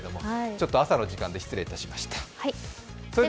ちょっと朝の時間で失礼いたしました。